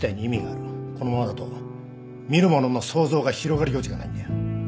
このままだと見る者の想像が広がる余地がないんだよ。